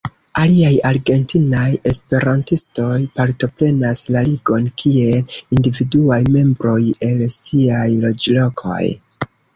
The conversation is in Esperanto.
Aliaj argentinaj esperantistoj partoprenas la Ligon kiel individuaj membroj, el siaj loĝlokoj.